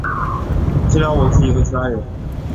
治疗我自己和其他人